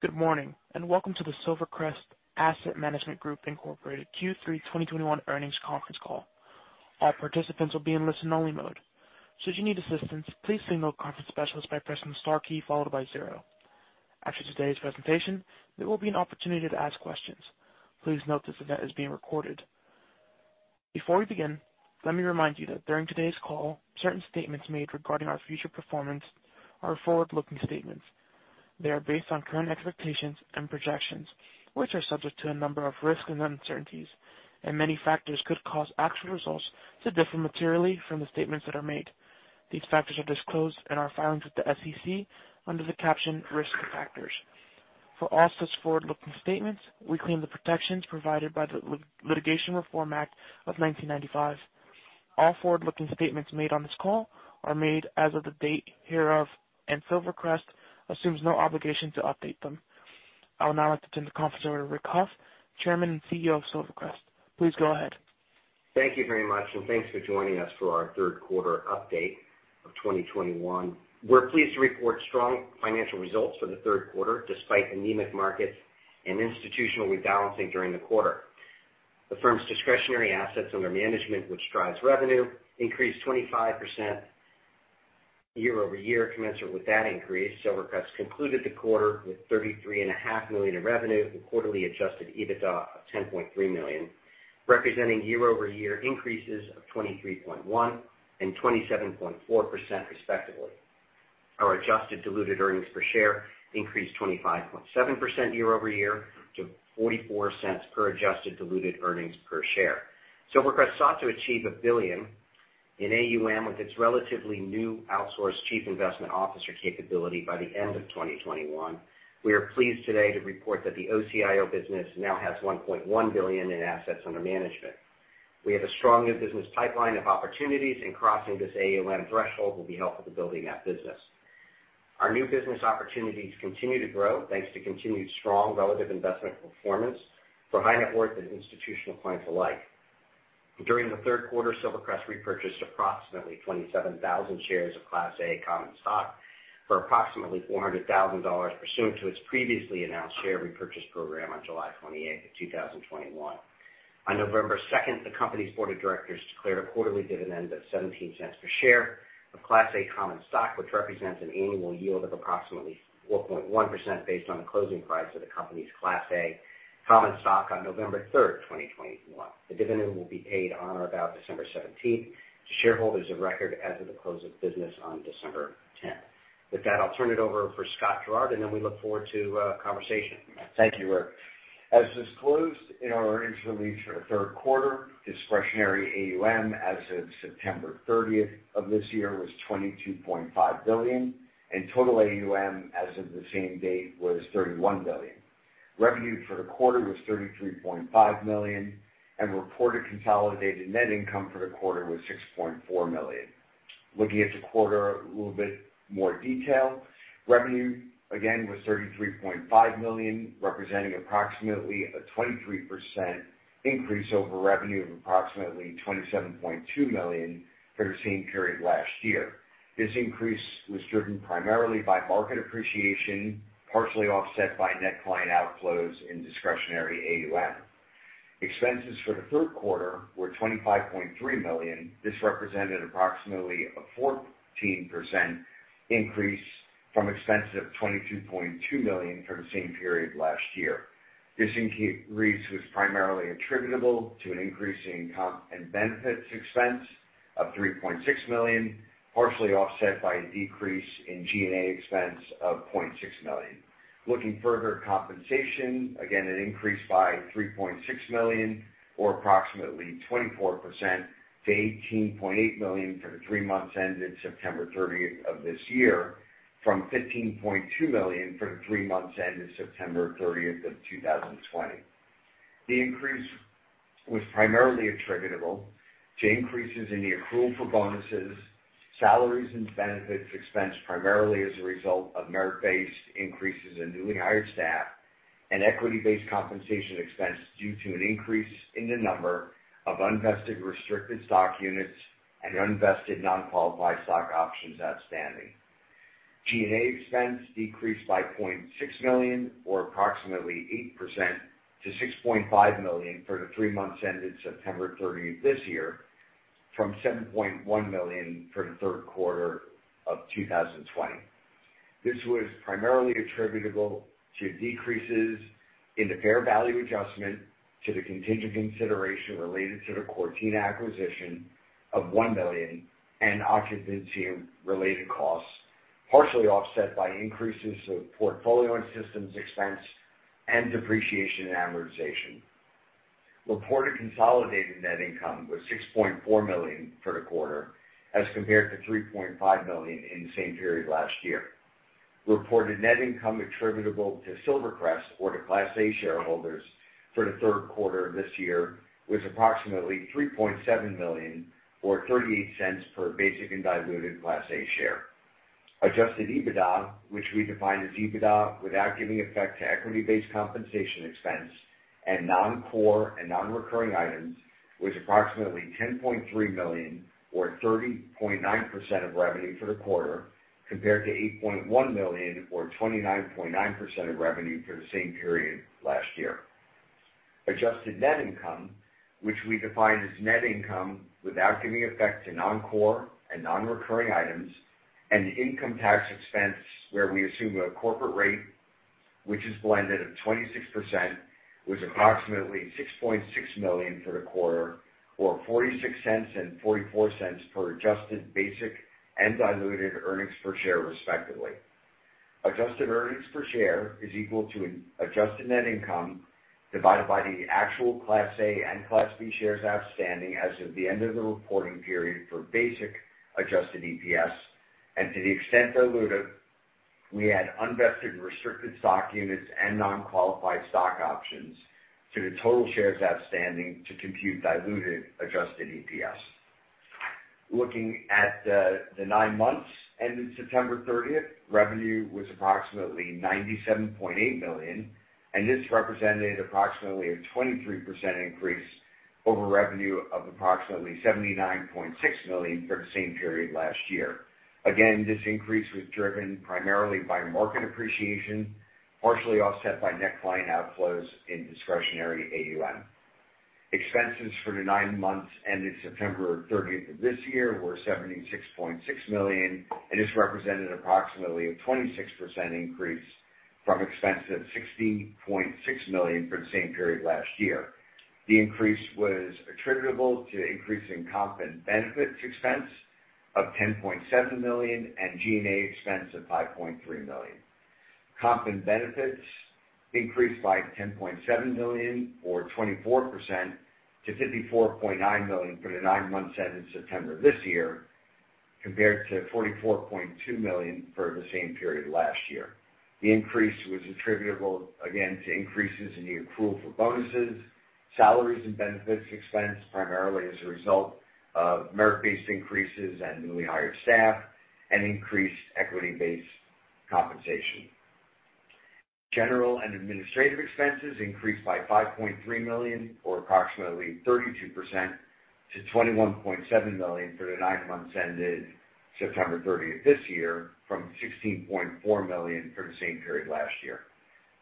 Good morning, and welcome to the Silvercrest Asset Management Group Incorporated Q3 2021 earnings conference call. All participants will be in listen-only mode. Should you need assistance, please signal a conference specialist by pressing the star key followed by zero. After today's presentation, there will be an opportunity to ask questions. Please note this event is being recorded. Before we begin, let me remind you that during today's call, certain statements made regarding our future performance are forward-looking statements. They are based on current expectations and projections, which are subject to a number of risks and uncertainties, and many factors could cause actual results to differ materially from the statements that are made. These factors are disclosed in our filings with the SEC under the caption Risk Factors. For all such forward-looking statements, we claim the protections provided by the Private Securities Litigation Reform Act of 1995. All forward-looking statements made on this call are made as of the date hereof, and Silvercrest assumes no obligation to update them. I'll now turn the call over to Rick Hough, Chairman and CEO of Silvercrest. Please go ahead. Thank you very much, and thanks for joining us for our third quarter update of 2021. We're pleased to report strong financial results for the third quarter, despite anemic markets and institutional rebalancing during the quarter. The firm's discretionary assets under management, which drives revenue, increased 25% year-over-year. Commensurate with that increase, Silvercrest concluded the quarter with $33.5 million in revenue and quarterly adjusted EBITDA of $10.3 million, representing year-over-year increases of 23.1% and 27.4%, respectively. Our adjusted diluted earnings per share increased 25.7% year-over-year to $0.44. Silvercrest sought to achieve $1 billion in AUM with its relatively new outsourced chief investment officer capability by the end of 2021. We are pleased today to report that the OCIO business now has $1.1 billion in assets under management. We have a strong new business pipeline of opportunities, and crossing this AUM threshold will be helpful to building that business. Our new business opportunities continue to grow thanks to continued strong relative investment performance for high net worth and institutional clients alike. During the third quarter, Silvercrest repurchased approximately 27,000 shares of Class A common stock for approximately $400,000 pursuant to its previously announced share repurchase program on July 28, 2021. On November 2, the company's board of directors declared a quarterly dividend of $0.17 per share of Class A common stock, which represents an annual yield of approximately 4.1% based on the closing price of the company's Class A common stock on November 3, 2021. The dividend will be paid on or about December seventeenth to shareholders of record as of the close of business on December 10th. With that, I'll turn it over for Scott Gerard, and then we look forward to conversation. Thank you, Rick. As disclosed in our earnings release for the third quarter, discretionary AUM as of September 30 of this year was $22.5 billion, and total AUM as of the same date was $31 billion. Revenue for the quarter was $33.5 million, and reported consolidated net income for the quarter was $6.4 million. Looking at the quarter in a little bit more detail, revenue again was $33.5 million, representing approximately a 23% increase over revenue of approximately $27.2 million for the same period last year. This increase was driven primarily by market appreciation, partially offset by net client outflows and discretionary AUM. Expenses for the third quarter were $25.3 million. This represented approximately a 14% increase from expenses of $22.2 million for the same period last year. This increase was primarily attributable to an increase in comp and benefits expense of $3.6 million, partially offset by a decrease in G&A expense of $0.6 million. Looking further, compensation, again, it increased by $3.6 million or approximately 24% to $18.8 million for the three months ended September 30 of this year from $15.2 million for the three months ended September 30 of 2020. The increase was primarily attributable to increases in the accrual for bonuses, salaries and benefits expense, primarily as a result of merit-based increases in newly hired staff and equity-based compensation expense due to an increase in the number of unvested restricted stock units and unvested non-qualified stock options outstanding. G&A expense decreased by $0.6 million or approximately 8% to $6.5 million for the three months ended September 30 this year from $7.1 million for the third quarter of 2020. This was primarily attributable to decreases in the fair value adjustment to the contingent consideration related to the Cortina acquisition of $1 million and occupancy-related costs, partially offset by increases to portfolio and systems expense and depreciation and amortization. Reported consolidated net income was $6.4 million for the quarter as compared to $3.5 million in the same period last year. Reported net income attributable to Silvercrest or to Class A shareholders for the third quarter of this year was approximately $3.7 million or $0.38 per basic and diluted Class A share. Adjusted EBITDA, which we define as EBITDA without giving effect to equity-based compensation expense and non-core and non-recurring items, was approximately $10.3 million or 30.9% of revenue for the quarter compared to $8.1 million or 29.9% of revenue for the same period last year. Adjusted net income, which we define as net income without giving effect to non-core and non-recurring items, and income tax expense, where we assume a corporate rate which is blended at 26%, was approximately $6.6 million for the quarter, or $0.46 and $0.44 per adjusted basic and diluted earnings per share, respectively. Adjusted earnings per share is equal to an adjusted net income divided by the actual Class A and Class B shares outstanding as of the end of the reporting period for basic adjusted EPS. To the extent they're diluted, we add unvested restricted stock units and non-qualified stock options to the total shares outstanding to compute diluted adjusted EPS. Looking at the nine months ending September 30, revenue was approximately $97.8 million, and this represented approximately a 23% increase over revenue of approximately $79.6 million for the same period last year. Again, this increase was driven primarily by market appreciation, partially offset by net client outflows in discretionary AUM. Expenses for the nine months ending September 30 of this year were $76.6 million, and this represented approximately a 26% increase from expense of $60.6 million for the same period last year. The increase was attributable to increasing comp and benefits expense of $10.7 million and G&A expense of $5.3 million. Compensation and benefits increased by $10.7 million or 24% to $54.9 million for the nine months ended September 30, 2021, compared to $44.2 million for the same period last year. The increase was attributable again to increases in the accrual for bonuses, salaries, and benefits expense, primarily as a result of merit-based increases and newly hired staff and increased equity-based compensation. General and administrative expenses increased by $5.3 million, or approximately 32% to $21.7 million for the nine months ended September 30, 2021 from $16.4 million for the same period last year.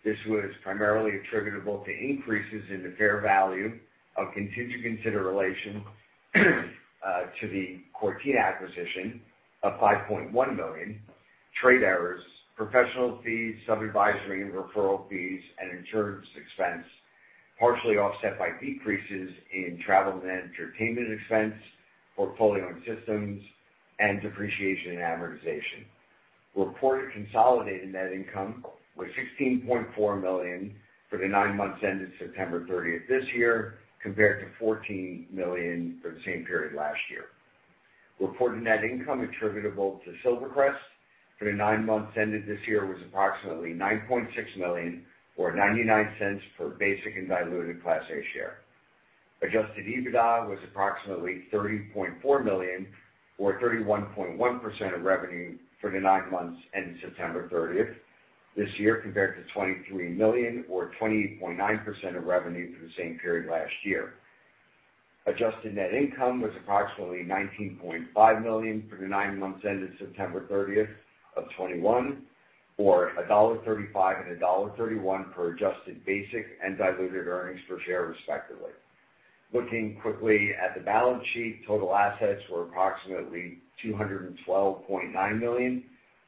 This was primarily attributable to increases in the fair value of contingent consideration related to the Cortina acquisition of $5.1 million, trade errors, professional fees, sub-advisory and referral fees, and insurance expense, partially offset by decreases in travel and entertainment expense, portfolio systems, and depreciation and amortization. Reported consolidated net income was $16.4 million for the nine months ended September 30 this year, compared to $14 million for the same period last year. Reported net income attributable to Silvercrest for the nine months ended this year was approximately $9.6 million or $0.99 per basic and diluted Class A share. Adjusted EBITDA was approximately $30.4 million or 31.1% of revenue for the nine months ending September 30 this year, compared to $23 million or 20.9% of revenue for the same period last year. Adjusted net income was approximately $19.5 million for the nine months ended September 30, 2021, or $1.35 and $1.31 per adjusted basic and diluted earnings per share, respectively. Looking quickly at the balance sheet, total assets were approximately $212.9 million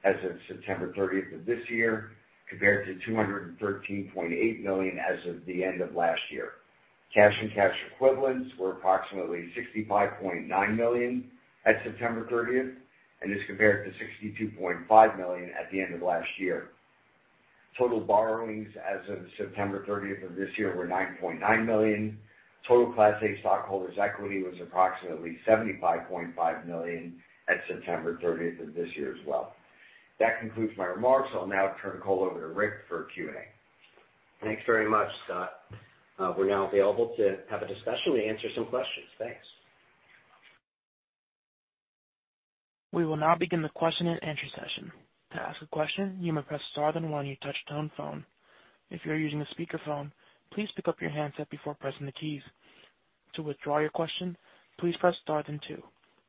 as of September 30 of this year, compared to $213.8 million as of the end of last year. Cash and cash equivalents were approximately $65.9 million at September 30, and this compared to $62.5 million at the end of last year. Total borrowings as of September 30 of this year were $9.9 million. Total Class A stockholders' equity was approximately $75.5 million at September 30 of this year as well. That concludes my remarks. I'll now turn the call over to Rick for Q&A. Thanks very much, Scott. We're now available to have a discussion to answer some questions. Thanks. We will now begin the question-and-answer session. To ask a question, you may press star then one on your touch tone phone. If you're using a speakerphone, please pick up your handset before pressing the keys. To withdraw your question, please press star then two.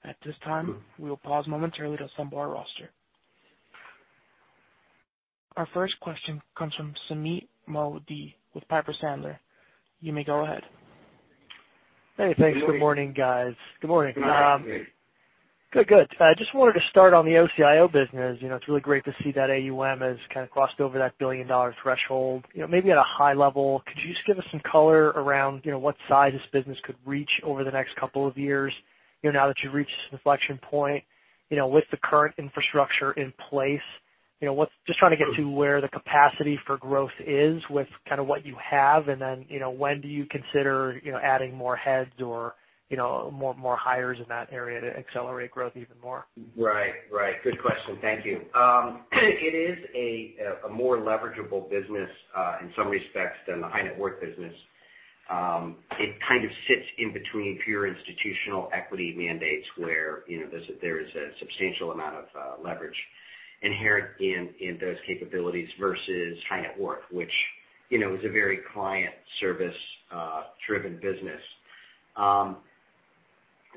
At this time, we will pause momentarily to assemble our roster. Our first question comes from Sumeet Mody with Piper Sandler. You may go ahead. Hey, thanks. Good morning, guys. Good morning. Good morning. Good, good. I just wanted to start on the OCIO business. You know, it's really great to see that AUM has kind of crossed over that billion-dollar threshold. You know, maybe at a high level, could you just give us some color around, you know, what size this business could reach over the next couple of years, you know, now that you've reached this inflection point, you know, with the current infrastructure in place? Just trying to get to where the capacity for growth is with kinda what you have and then, you know, when do you consider, you know, adding more heads or, you know, more hires in that area to accelerate growth even more? Right. Good question. Thank you. It is a more leverageable business in some respects than the high net worth business. It kind of sits in between pure institutional equity mandates where you know there is a substantial amount of leverage inherent in those capabilities versus high net worth, which you know is a very client service driven business.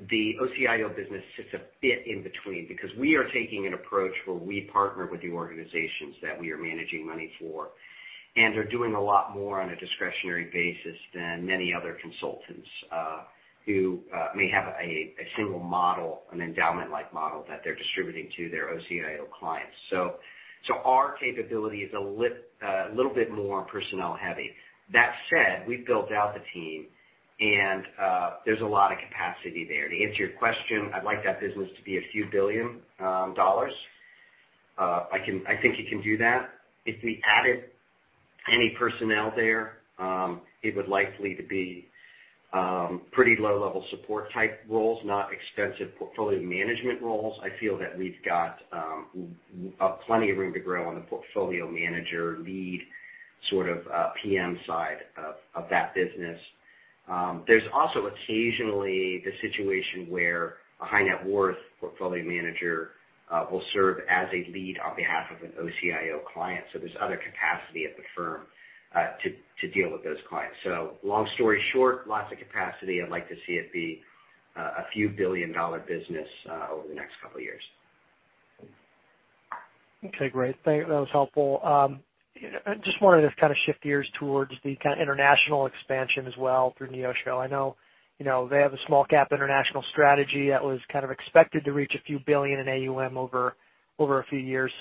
The OCIO business sits a bit in between because we are taking an approach where we partner with the organizations that we are managing money for and are doing a lot more on a discretionary basis than many other consultants who may have a single model, an endowment-like model that they're distributing to their OCIO clients. Our capability is a little bit more personnel heavy. That said, we've built out the team and, there's a lot of capacity there. To answer your question, I'd like that business to be a few billion dollars. I think it can do that. If we added any personnel there, it would likely to be pretty low level support type roles, not expensive portfolio management roles. I feel that we've got plenty of room to grow on the portfolio manager lead sort of PM side of that business. There's also occasionally the situation where a high net worth portfolio manager will serve as a lead on behalf of an OCIO client. There's other capacity at the firm to deal with those clients. Long story short, lots of capacity. I'd like to see it be a few billion-dollar business over the next couple of years. Okay, great. That was helpful. Just wanted to kind of shift gears towards the kind of international expansion as well through Neosho. I know, you know, they have a small cap international strategy that was kind of expected to reach a few billion in AUM over a few years.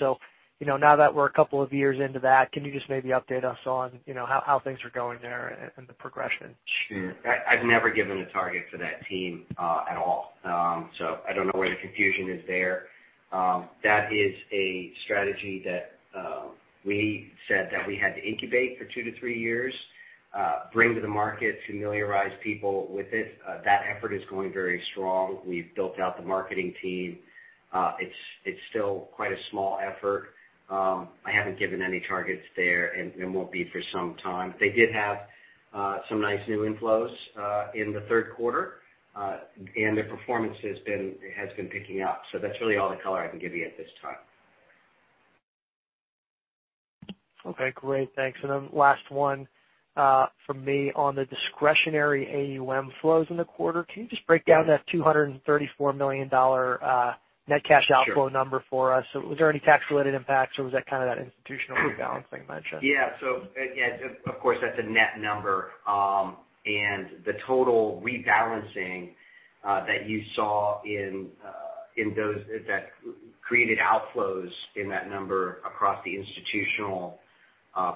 You know, now that we're a couple of years into that, can you just maybe update us on, you know, how things are going there and the progression? Sure. I've never given a target for that team at all. I don't know where the confusion is there. That is a strategy that we said that we had to incubate for two to three years, bring to the market, familiarize people with it. That effort is going very strong. We've built out the marketing team. It's still quite a small effort. I haven't given any targets there and won't be for some time. They did have some nice new inflows in the third quarter. Their performance has been picking up. That's really all the color I can give you at this time. Okay, great. Thanks. Last one, from me on the discretionary AUM flows in the quarter. Can you just break down that $234 million net cash outflow number for us? Was there any tax-related impacts or was that kind of institutional rebalancing you mentioned? Yeah. Again, of course, that's a net number. The total rebalancing that you saw in those that created outflows in that number across the institutional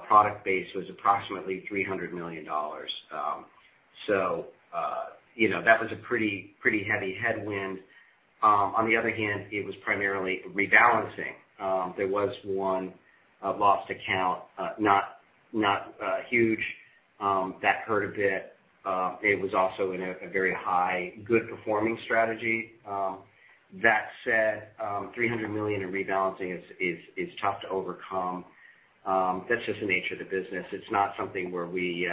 product base was approximately $300 million. You know, that was a pretty heavy headwind. On the other hand, it was primarily rebalancing. There was one lost account, not huge, that hurt a bit. It was also in a very high, good performing strategy. That said, $300 million in rebalancing is tough to overcome. That's just the nature of the business. It's not something where we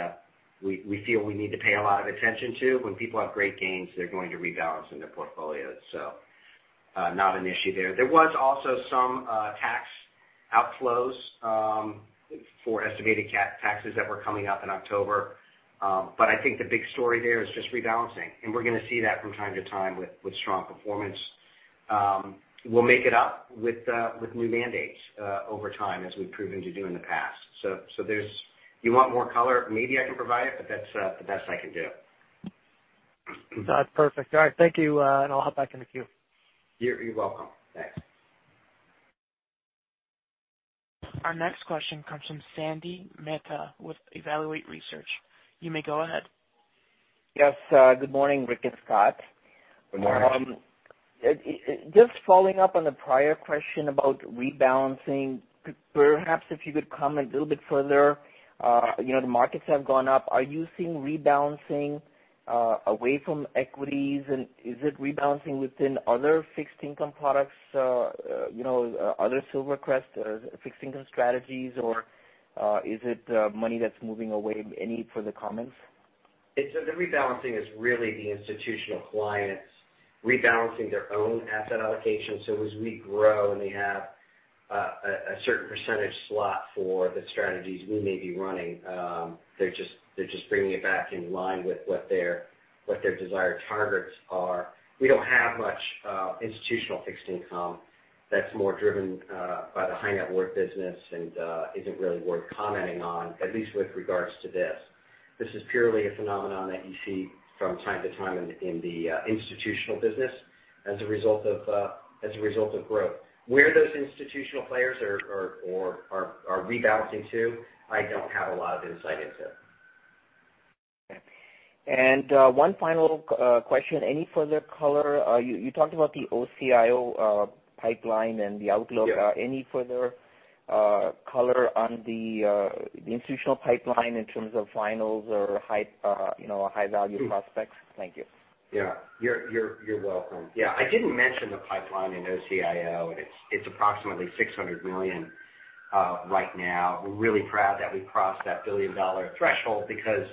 feel we need to pay a lot of attention to. When people have great gains, they're going to rebalance in their portfolios. Not an issue there. There was also some tax outflows for estimated taxes that were coming up in October. I think the big story there is just rebalancing, and we're gonna see that from time to time with strong performance. We'll make it up with new mandates over time as we've proven to do in the past. Do you want more color? Maybe I can provide it, but that's the best I can do. That's perfect. All right. Thank you. I'll hop back in the queue. You're welcome. Thanks. Our next question comes from Sandy Mehta with Evaluate Research. You may go ahead. Yes. Good morning, Rick and Scott. Good morning. Just following up on the prior question about rebalancing, perhaps if you could comment a little bit further. You know, the markets have gone up. Are you seeing rebalancing away from equities? Is it rebalancing within other fixed income products, you know, other Silvercrest fixed income strategies, or is it money that's moving away? Any further comments? The rebalancing is really the institutional clients rebalancing their own asset allocation. As we grow and they have a certain percentage slot for the strategies we may be running, they're just bringing it back in line with what their desired targets are. We don't have much institutional fixed income that's more driven by the high net worth business and isn't really worth commenting on, at least with regards to this. This is purely a phenomenon that you see from time to time in the institutional business as a result of growth. Where those institutional players are rebalancing to, I don't have a lot of insight into. One final question. Any further color you talked about the OCIO pipeline and the outlook. Yeah. Any further color on the institutional pipeline in terms of finals or high, you know, high value prospects? Thank you. Yeah, you're welcome. Yeah, I didn't mention the pipeline in OCIO, and it's approximately $600 million. Right now, we're really proud that we crossed that billion-dollar threshold because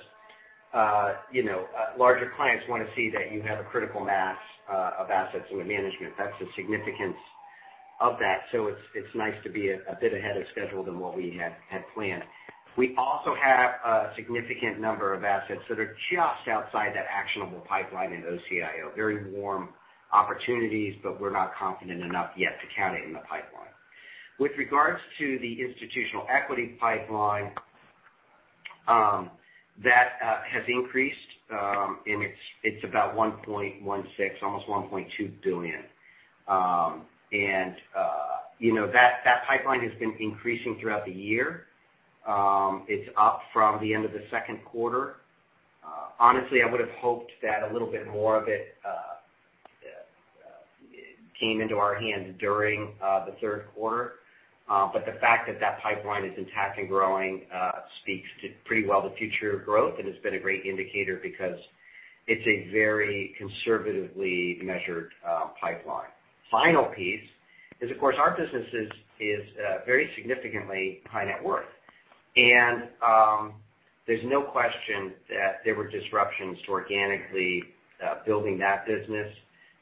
you know, larger clients wanna see that you have a critical mass of assets under management. That's the significance of that. It's nice to be a bit ahead of schedule than what we had planned. We also have a significant number of assets that are just outside that actionable pipeline in OCIO. Very warm opportunities, but we're not confident enough yet to count it in the pipeline. With regards to the institutional equity pipeline, that has increased, and it's about $1.16 billion, almost $1.2 billion. You know, that pipeline has been increasing throughout the year. It's up from the end of the second quarter. Honestly, I would've hoped that a little bit more of it came into our hands during the third quarter. The fact that pipeline is intact and growing speaks pretty well to the future growth. It's been a great indicator because it's a very conservatively measured pipeline. Final piece is, of course, our business is very significantly high net worth. There's no question that there were disruptions to organically building that business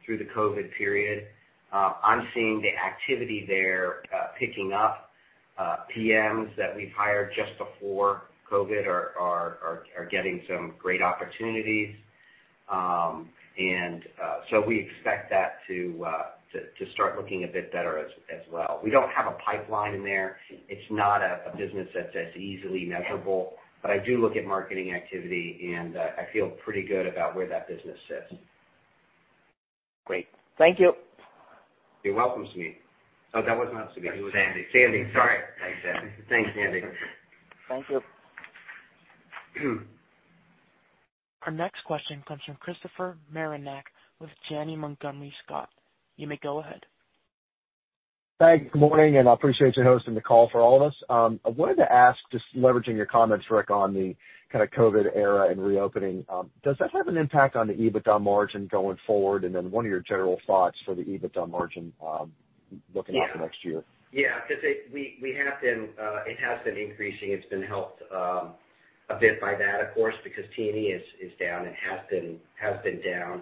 through the COVID period. I'm seeing the activity there picking up, PMs that we've hired just before COVID are getting some great opportunities. We expect that to start looking a bit better as well. We don't have a pipeline in there. It's not a business that's as easily measurable. I do look at marketing activity, and I feel pretty good about where that business sits. Great. Thank you. You're welcome, Sme. Oh, that was not Sme. It was Sandy. Sandy, sorry. Thanks, Sandy. Thanks, Sandy. Thank you. Our next question comes from Christopher Marinac with Janney Montgomery Scott. You may go ahead. Hi, good morning, and I appreciate you hosting the call for all of us. I wanted to ask, just leveraging your comments, Rick, on the kinda COVID era and reopening, does that have an impact on the EBITDA margin going forward? What are your general thoughts for the EBITDA margin, looking out the next year? Yeah. Yeah, 'cause it has been increasing. It's been helped a bit by that, of course, because T&E is down and has been down.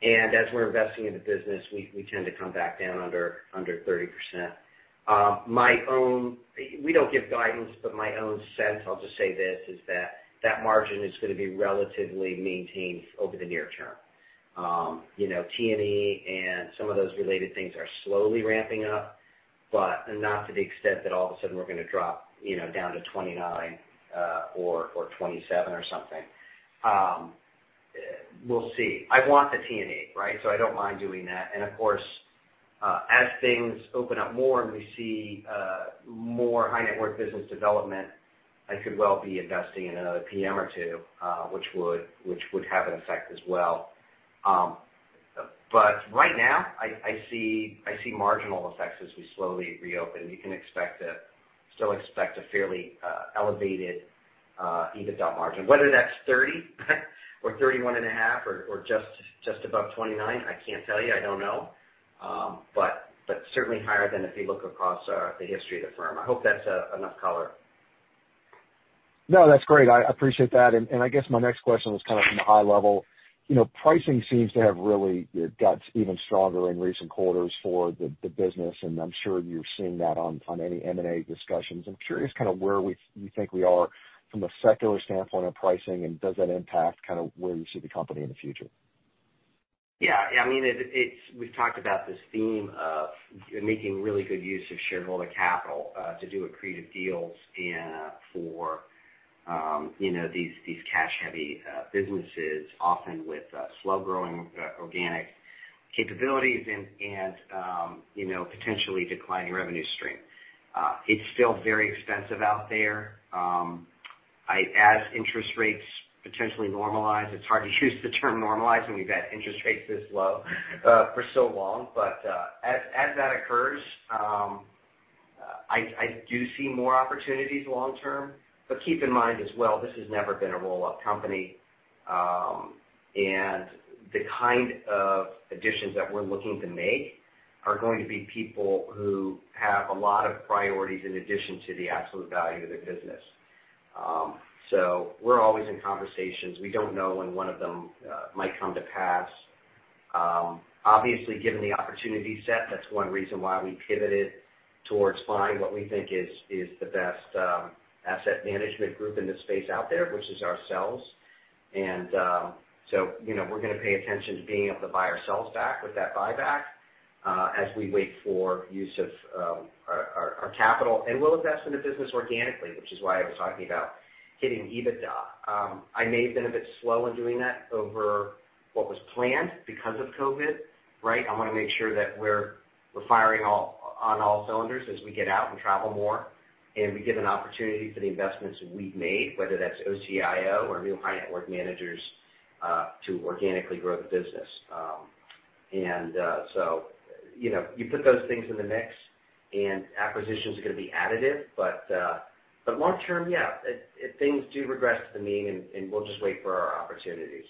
As we're investing in the business, we tend to come back down under 30%. We don't give guidance, but my own sense, I'll just say this, is that that margin is gonna be relatively maintained over the near term. You know, T&E and some of those related things are slowly ramping up, but not to the extent that all of a sudden we're gonna drop, you know, down to 29% or 27% or something. We'll see. I want the T&E, right? So I don't mind doing that. Of course, as things open up more and we see more high net worth business development, I could well be investing in another PM or two, which would have an effect as well. Right now, I see marginal effects as we slowly reopen. You can still expect a fairly elevated EBITDA margin. Whether that's 30% or 31.5% or just above 29%, I can't tell you. I don't know. Certainly higher than if you look across the history of the firm. I hope that's enough color. No, that's great. I appreciate that. I guess my next question was kind of from the high level. You know, pricing seems to have really got even stronger in recent quarters for the business, and I'm sure you're seeing that on any M&A discussions. I'm curious kinda where you think we are from a secular standpoint on pricing, and does that impact kinda where you see the company in the future? Yeah. Yeah. I mean, we've talked about this theme of making really good use of shareholder capital to do accretive deals and for you know these cash-heavy businesses, often with slow-growing organic capabilities and you know potentially declining revenue stream. It's still very expensive out there. As interest rates potentially normalize, it's hard to use the term normalize when we've had interest rates this low for so long. As that occurs, I do see more opportunities long term. Keep in mind as well, this has never been a roll-up company. The kind of additions that we're looking to make are going to be people who have a lot of priorities in addition to the absolute value of their business. We're always in conversations. We don't know when one of them might come to pass. Obviously, given the opportunity set, that's one reason why we pivoted towards finding what we think is the best asset management group in this space out there, which is ourselves. You know, we're gonna pay attention to being able to buy ourselves back with that buyback as we wait for use of our capital. We'll invest in the business organically, which is why I was talking about hitting EBITDA. I may have been a bit slow in doing that over what was planned because of COVID, right? I wanna make sure that we're firing on all cylinders as we get out and travel more, and we give an opportunity for the investments we've made, whether that's OCIO or new high net worth managers to organically grow the business. You know, you put those things in the mix, and acquisitions are gonna be additive. Long term, yeah, things do regress to the mean, and we'll just wait for our opportunities.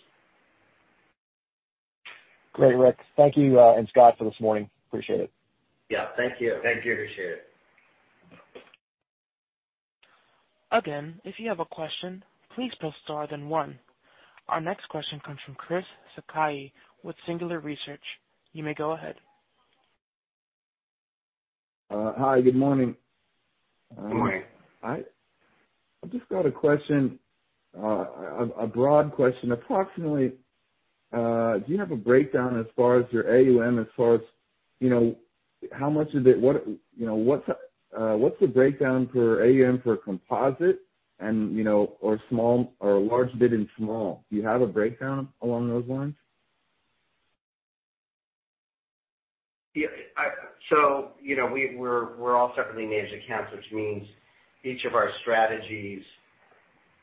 Great, Rick. Thank you, and Scott for this morning. Appreciate it. Yeah, thank you. Thank you. Appreciate it. Again, if you have a question, please press star then one. Our next question comes from Chris Sakai with Singular Research. You may go ahead. Hi, good morning. Good morning. I've just got a question, a broad question. Approximately, do you have a breakdown as far as your AUM, as far as, you know, how much of it? What's the breakdown for AUM for composite and, you know, or small or large cap and small? Do you have a breakdown along those lines? We're all separately managed accounts, which means each of our strategies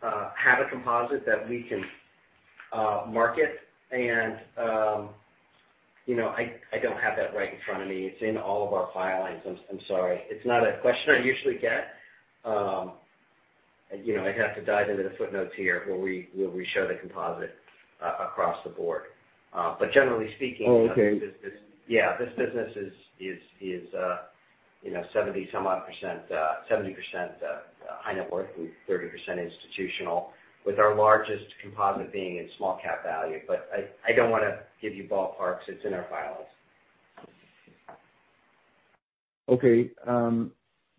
have a composite that we can market. I don't have that right in front of me. It's in all of our filings. I'm sorry. It's not a question I usually get. I'd have to dive into the footnotes here where we show the composite across the board. Generally speaking. Oh, okay. Yeah. This business is, you know, 70% high net worth and 30% institutional, with our largest composite being in small-cap value. I don't wanna give you ballparks. It's in our files. Okay.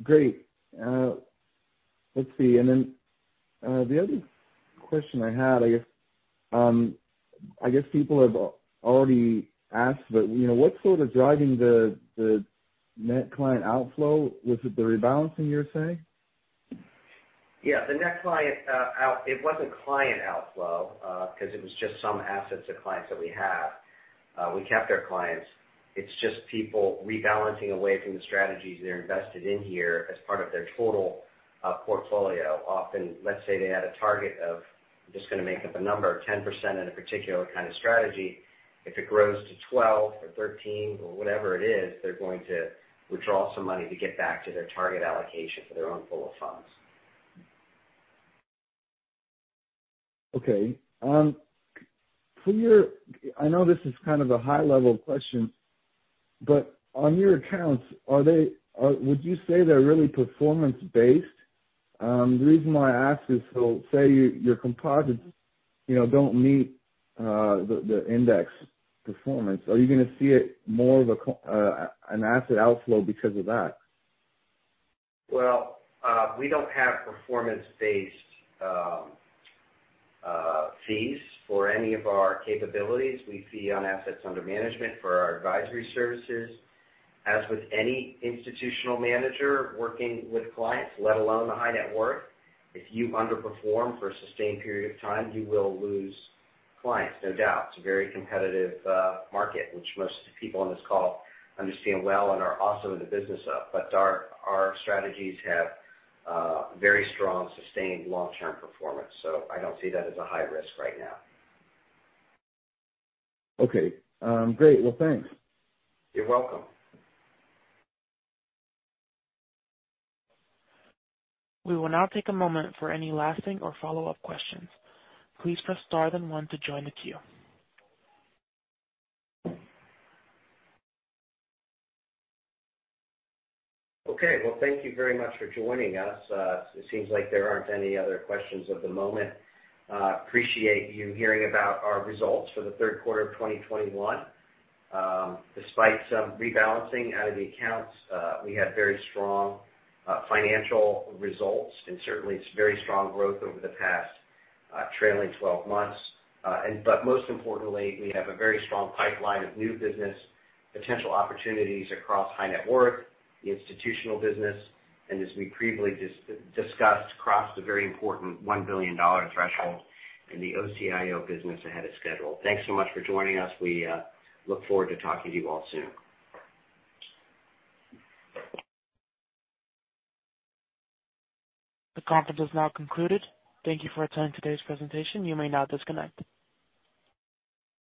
Great. Let's see. The other question I had, I guess, people have already asked, but you know, what's sort of driving the net client outflow? Was it the rebalancing you were saying? Yeah. The net client out, it wasn't client outflow, 'cause it was just some assets of clients that we have. We kept our clients. It's just people rebalancing away from the strategies they're invested in here as part of their total portfolio. Often, let's say they had a target of, I'm just gonna make up a number, 10% in a particular kind of strategy. If it grows to 12% or 13% or whatever it is, they're going to withdraw some money to get back to their target allocation for their own pool of funds. Okay. I know this is kind of a high-level question, but on your accounts, would you say they're really performance based? The reason why I ask is, so say your composites, you know, don't meet the index performance. Are you gonna see more of an asset outflow because of that? Well, we don't have performance-based fees for any of our capabilities. We fee on assets under management for our advisory services. As with any institutional manager working with clients, let alone the high net worth, if you underperform for a sustained period of time, you will lose clients, no doubt. It's a very competitive market which most people on this call understand well and are also in the business of. Our strategies have very strong, sustained long-term performance, so I don't see that as a high risk right now. Okay. Great. Well, thanks. You're welcome. We will now take a moment for any lasting or follow-up questions. Please press star then one to join the queue. Okay. Well, thank you very much for joining us. It seems like there aren't any other questions at the moment. We appreciate you hearing about our results for the third quarter of 2021. Despite some rebalancing out of the accounts, we had very strong financial results, and certainly some very strong growth over the past trailing twelve months. Most importantly, we have a very strong pipeline of new business potential opportunities across high net worth, the institutional business, and as we previously discussed, crossed a very important $1 billion threshold in the OCIO business ahead of schedule. Thanks so much for joining us. We look forward to talking to you all soon. The conference is now concluded. Thank you for attending today's presentation. You may now disconnect.